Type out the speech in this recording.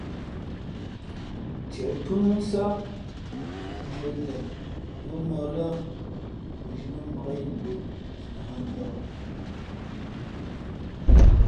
Ntieʼ phʉ́ nsát nzhīē lěn vʉ̄mōh lά o zhī mά mbǎk indō si hᾱ ndαh.